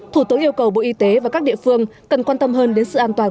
thủ tướng yêu cầu bộ y tế và các địa phương cần quan tâm hơn đến sự an toàn